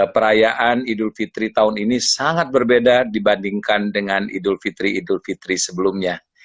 perayaan idul fitri tahun ini sangat berbeda dibandingkan dengan idul fitri idul fitri sebelumnya